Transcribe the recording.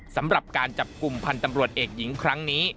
สำหรับการจับกลุ่มพันธ์ตำรวจเอกหญิงครั้งนี้